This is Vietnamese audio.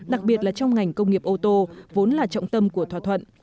đặc biệt là trong ngành công nghiệp ô tô vốn là trọng tâm của thỏa thuận